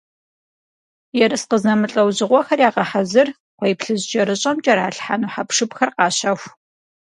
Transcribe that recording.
Ерыскъы зэмылӀэужьыгъуэхэр ягъэхьэзыр, кхъуейплъыжькӀэрыщӀэм кӀэралъхьэну хьэпшыпхэр къащэху.